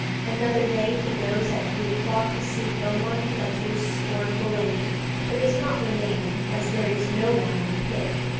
Another day he goes at three o'clock to see Beaumont and Fletcher's "Scornful Lady," but does not remain, as there is no one in the pit.